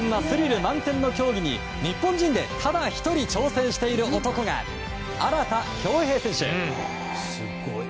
そのスリル満点の競技に日本人で、ただ１人挑戦している男が荒田恭兵選手。